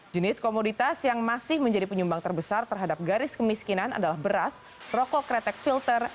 jenis komoditas yang masih menjadi penyumbang terbesar terhadap garis kemiskinan adalah beras rokok kretek filter